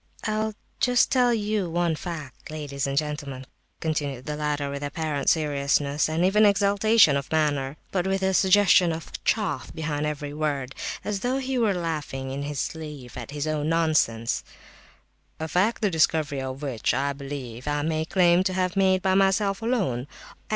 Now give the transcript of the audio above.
"I'll just tell you one fact, ladies and gentlemen," continued the latter, with apparent seriousness and even exaltation of manner, but with a suggestion of "chaff" behind every word, as though he were laughing in his sleeve at his own nonsense—"a fact, the discovery of which, I believe, I may claim to have made by myself alone.